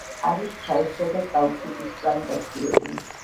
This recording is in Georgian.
არის ჩაისა და კაუჩუკის პლანტაციები.